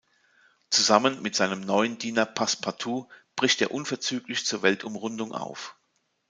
Zusammen mit seinem neuen Diener Passepartout bricht er unverzüglich zur Weltumrundung auf.